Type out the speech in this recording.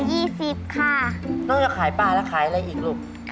นอกจากขายปลาแล้วขายอะไรอีกลูก